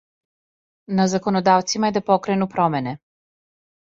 На законодавцима је да покрену промене.